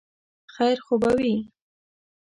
خیر خو به وي ؟